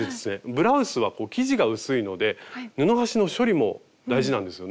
ブラウスは生地が薄いので布端の処理も大事なんですよね。